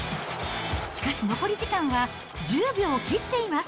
しかし残り時間は１０秒を切っています。